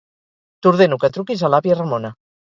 T'ordeno que truquis a l'àvia Ramona.